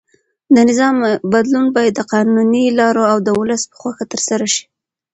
د نظام بدلون باید د قانوني لارو او د ولس په خوښه ترسره شي.